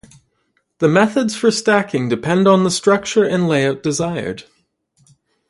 The methods for stacking depend on the structure and layout desired.